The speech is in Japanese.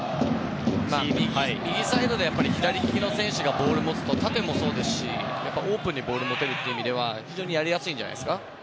右サイドで左利きの選手がボールを持つと、縦もそうですしオープンにボールを持てるという意味では非常にやりやすいんじゃないですか。